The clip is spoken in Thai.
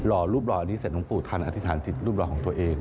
รอรูปรอนี้เสร็จต้องปลูกทันอธิษฐานจิตรูบรอของตัวเอง